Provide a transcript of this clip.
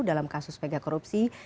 dalam kasus mega korupsi